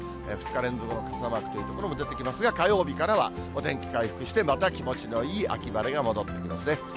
２日連続の傘マークという所も出てきますが、火曜日からはお天気回復して、また気持ちのいい秋晴れが戻ってきますね。